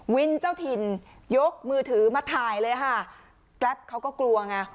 เจ้าถิ่นยกมือถือมาถ่ายเลยค่ะแกรปเขาก็กลัวไง